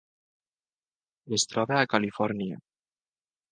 Es troba a Califòrnia.